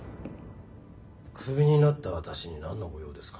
クビになった私になんのご用ですか？